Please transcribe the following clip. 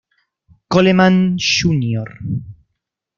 Coleman Jr.